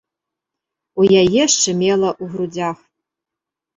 У яе шчымела ў грудзях.